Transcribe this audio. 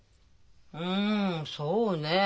うんそうねえ。